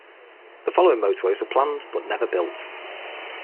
The following motorways were planned, but never built.